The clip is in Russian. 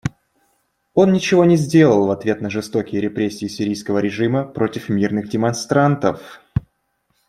Он ничего не сделал в ответ на жестокие репрессии сирийского режима против мирных демонстрантов.